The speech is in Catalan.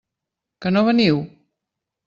Que no veniu?